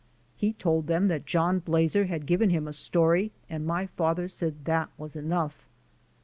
He told them that John Blazer had given him a story and my father said that was enough.